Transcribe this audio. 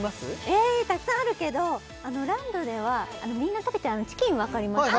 ええたくさんあるけどランドではみんな食べてるチキンわかりますか？